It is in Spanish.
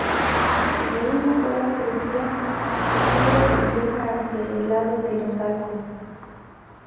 De una sola crujía, se cubre con teja hacia el lado de los arcos.